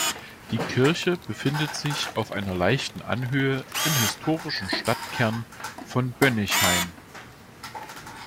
Die Kirche befindet sich auf einer leichten Anhöhe im historischen Stadtkern von Bönnigheim.